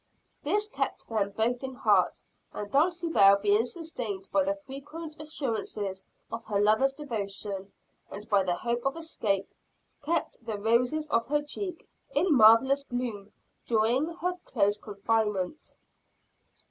This kept them both in heart; and Dulcibel being sustained by the frequent assurances of her lover's devotion, and by the hope of escape, kept the roses of her cheeks in marvelous bloom during her close confinement.